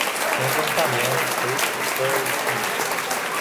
咸丰三年癸丑科进士。